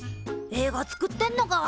映画作ってんのか！